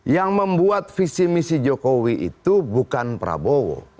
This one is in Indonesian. yang membuat visi misi jokowi itu bukan prabowo